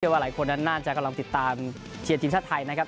ว่าหลายคนนั้นน่าจะกำลังติดตามเชียร์ทีมชาติไทยนะครับ